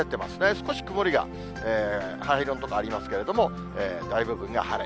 少し曇りが、灰色のとこありますけど、大部分が晴れ。